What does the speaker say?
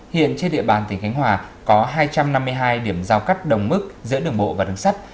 hiện trên địa bàn tỉnh khánh hòa có hai trăm năm mươi hai điểm giao cắt đồng mức giữa đường bộ và đường sắt